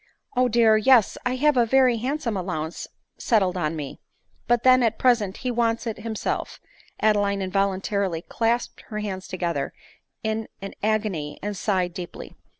" O dear ! yes — I have a very handsome allowance settled on me ; but then at present he wants it himself, (Adeline involuntarily clasped her hands together in an agony, and sighed deeply.)